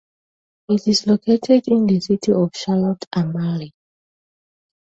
It is located in the City of Charlotte Amalie.